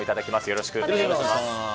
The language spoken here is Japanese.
よろしくお願いします。